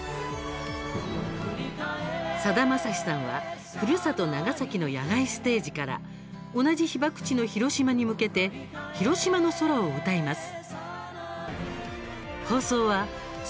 さだまさしさんは、ふるさと長崎の野外ステージから同じ被爆地の広島に向けて「広島の空」を歌います。